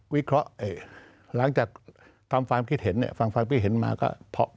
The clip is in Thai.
วิเคราะห์หลังจากฟังฟังพี่เขียนมา